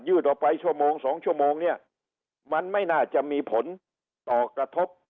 ออกไปชั่วโมงสองชั่วโมงเนี่ยมันไม่น่าจะมีผลต่อกระทบ